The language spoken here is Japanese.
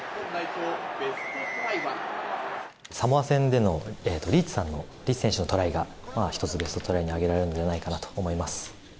サモア戦でのリーチさんの、リーチ選手のトライが、一つ、ベストトライに挙げられるのではないかなと思います。